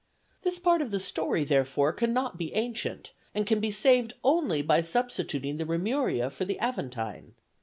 This part of the story therefore cannot be ancient, and can be saved only by substituting the Remuria for the Aventine.